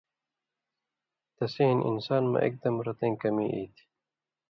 تسی ہِن انسان مہ اېکدم رتَیں کمی ای تھی۔